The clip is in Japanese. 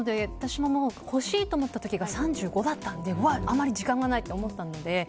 私も欲しいと思った時が３５だったのであまり時間がないと思ったので。